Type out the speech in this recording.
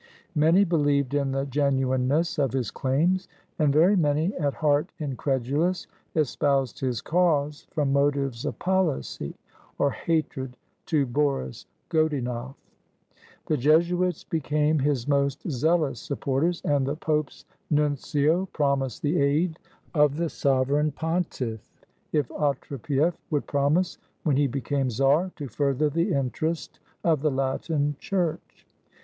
Many believed in the genuineness of his claims; and very many, at heart incredulous, espoused his cause from motives of policy, or hatred to Boris Godunof . The Jesuits became his most zealous supporters, and the Pope's nuncio promised the aid of the sovereign pontiff, if Otrepief would promise, when he became czar, to further the interest of the Latin Church.